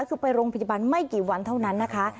คือไปโรงพยาบาลไม่กี่วันเท่านั้นนะคะ